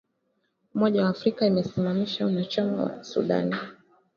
Umoja wa Afrika imesimamisha uanachama wa Sudan